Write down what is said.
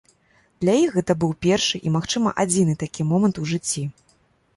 Для іх гэта быў першы і, магчыма адзіны такі момант у жыцці!